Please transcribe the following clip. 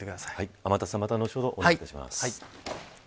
天達さんまた後ほど、お願いします。